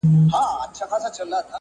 د سرو سونډو په لمبو کي د ورک سوي یاد دی.